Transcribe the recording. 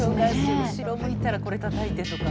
「後ろ向いたらこれたたいて」とか。